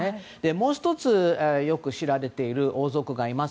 もう１つ、よく知られている王族がいます。